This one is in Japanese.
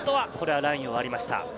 ラインを割りました。